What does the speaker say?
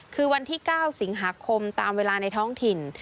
คือวันที่๙สิงหาคมตามเวลาในท้องถิ่น